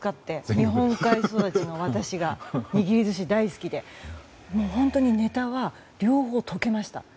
日本海育ちの私が握り寿司大好きで本当にネタは両方とけました。